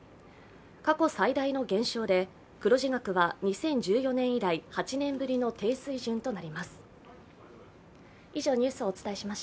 過去最大の減少で黒字額は２０１４年以来８年ぶりの低水準となります。